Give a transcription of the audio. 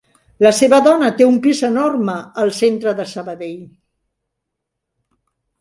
La seva dona té un pis enorme al centre de Sabadell.